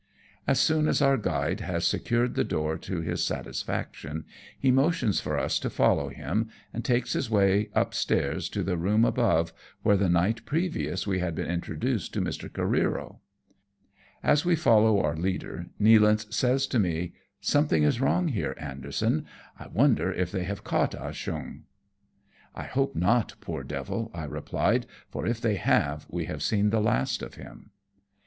As soon as our guide has secured the door to his satisfaction, he motions for us to follow him, and takes his way upstairs to the room above, where the night previous we had been introduced to Mr. Careero. As we follow our leader, Nealance says to me, " Something is wrong here, Anderson ; I wonder if they have caught Ah Cheong." 92 AMONG TYPHOONS AND PIRATE CRAFT. "I hope not, poor devil," I replied ;" for if they have, we have seen the last of him."